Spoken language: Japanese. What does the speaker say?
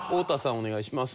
お願いします。